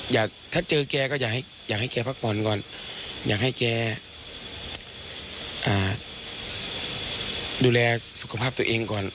ถ้าเจอแกก็อยากให้แกพักผ่อนก่อนอยากให้แกดูแลสุขภาพตัวเองก่อน